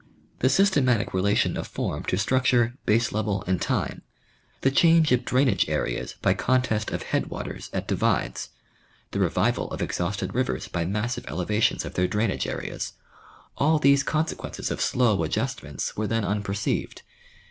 The system atic relation of form to structure, base level and time ; the change of drainage areas by contest of headwaters at divides ; the revival of exhausted rivers by massive elevations of their drainage areas : all these consequences of slow adjustments were then unperceived.